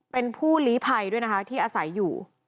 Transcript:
เป็นผู้ลีภัยด้วยนะคะที่อาศัยอยู่